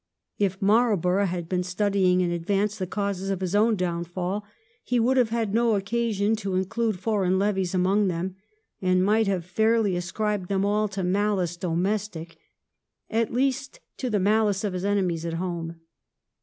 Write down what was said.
If Marlborough had been studying in advance the causes of his own downfall, he would have had no occasion to include foreign levies among them, and might have fairly ascribed them all to malice domestic — at least to the malice of his enemies at home.